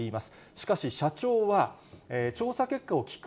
しかし、社長は、調査結果を聞く